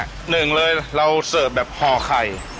หนึ่งเลยเราเสิร์ฟแบบห่อไข่